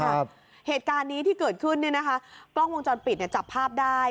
เหตุการณ์นี้ที่เกิดขึ้นเนี่ยนะคะกล้องวงจรปิดเนี่ยจับภาพได้